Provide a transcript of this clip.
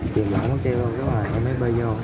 kìm lỏng cái chú lô xong rồi em mới bơi vô